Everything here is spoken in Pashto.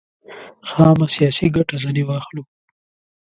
خامه سیاسي ګټه ځنې واخلو.